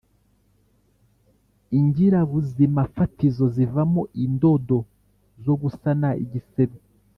Ingirabuzimafatizo zivamo indodo zo gusana igisebe